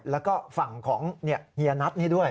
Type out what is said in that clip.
แล้วก็ฝั่งของเฮียนัทนี่ด้วย